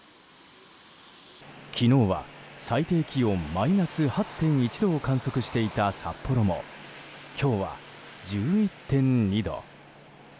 昨日は最低気温マイナス８．９度を観測していた札幌も今日は１１．２度。